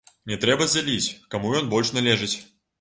Не трэба дзяліць, каму ён больш належыць.